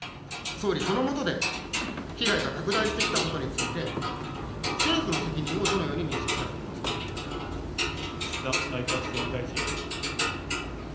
総理、その下で、被害が拡大してきたことについて、政府の責任をどのように認識され岸田内閣総理大臣。